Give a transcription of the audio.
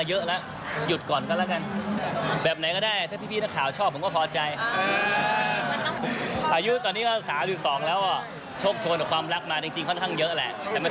เออเพราะครับ